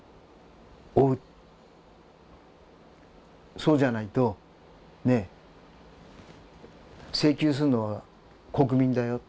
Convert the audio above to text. そうじゃないとねえ請求するのは国民だよ